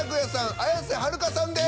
綾瀬はるかさんです。